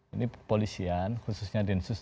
ini polisian khususnya densus delapan puluh delapan